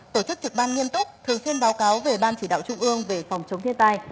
tổ chức trực ban nghiêm túc thường xuyên báo cáo về ban chỉ đạo trung ương về phòng chống thiên tai